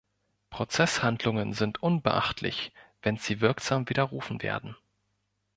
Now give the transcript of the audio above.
Prozesshandlungen sind unbeachtlich, wenn sie wirksam widerrufen werden.